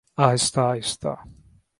آہستہ آہستہ۔